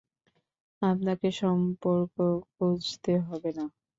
আপনাকে সম্পর্ক খুঁজতে হবে না।